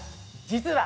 実は！